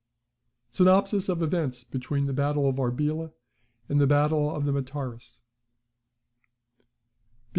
SYNOPSIS OF EVENTS BETWEEN THE BATTLE OF ARBELA AND THE BATTLE OF THE METAURUS.